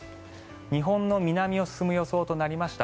日本の南を進む予想となりました。